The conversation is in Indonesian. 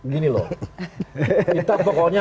gini loh kita pokoknya